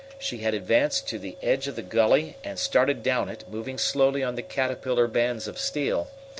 She had advanced to the edge of the gully and started down it, moving slowly on the caterpillar bands of steel.